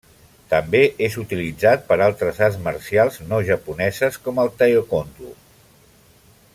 També és utilitzat per altres arts marcials no japoneses, com el taekwondo.